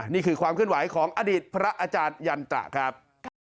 นี่คือความเคลื่อนไหวของอดีตพระอาจารยันตระครับ